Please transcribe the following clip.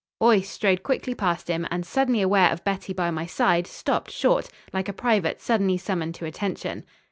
Boyce strode quickly past him and, suddenly aware of Betty by my side, stopped short, like a private suddenly summoned to attention.